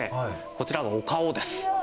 こちらがお顔です。